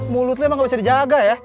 mulut lu emang gak bisa dijaga ya